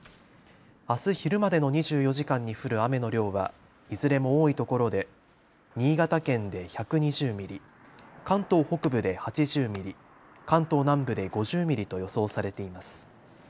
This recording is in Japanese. あす昼までの２４時間に降る雨の量はいずれも多いところで新潟県で１２０ミリ、関東北部で８０ミリ、関東南部で５０ミリと予想されています。